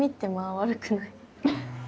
悪くない？